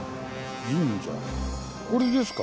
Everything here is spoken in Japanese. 神社これですか？